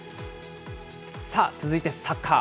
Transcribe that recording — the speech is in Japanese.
さあ、続いてサッカー。